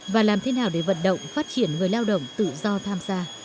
và làm thế nào để vận động phát triển người lao động tự do tham gia